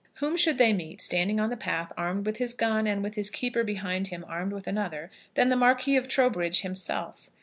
Whom should they meet, standing on the path, armed with his gun, and with his keeper behind him armed with another, than the Marquis of Trowbridge himself.